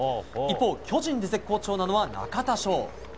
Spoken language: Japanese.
一方、巨人で絶好調なのは中田翔。